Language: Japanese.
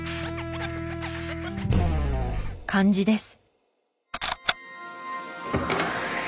漢字です。